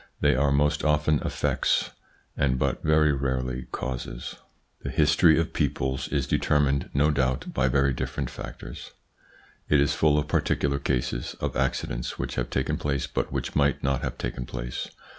They are most often effects and but very rarely causes. The history of peoples is determined, no doubt, by very different factors. It is full of particular cases, of accidents which have taken place but which might not have taken place.